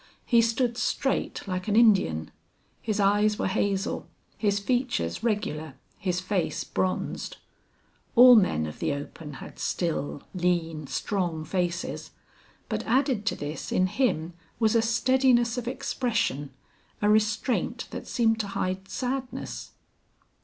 He stood straight like an Indian. His eyes were hazel, his features regular, his face bronzed. All men of the open had still, lean, strong faces, but added to this in him was a steadiness of expression, a restraint that seemed to hide sadness.